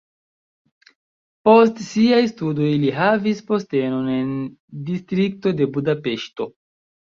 Post siaj studoj li havis postenon en distrikto de Budapeŝto.